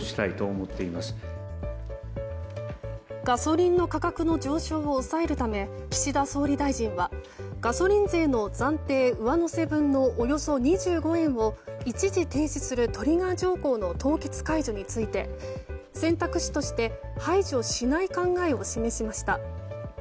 ガソリンの価格の上昇を抑えるため岸田総理大臣はガソリン税の暫定上乗せ分のおよそ２５円を一時停止するトリガー条項の凍結解除について選択肢として排除しない考えを示しました。